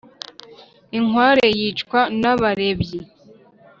inkware yicwa n’abarebyi